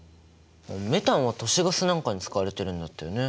メタンは都市ガスなんかに使われているんだったよね。